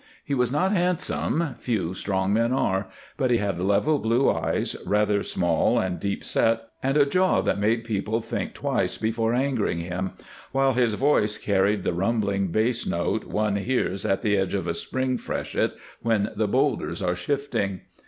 He was not handsome few strong men are but he had level, blue eyes, rather small and deep set, and a jaw that made people think twice before angering him, while his voice carried the rumbling bass note one hears at the edge of a spring freshet when the boulders are shifting.